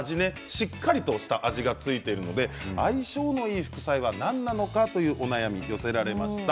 しっかりと下味が付いているので相性のいい副菜は何なのかというお悩みが寄せられました。